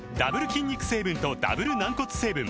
筋肉成分とダブル軟骨成分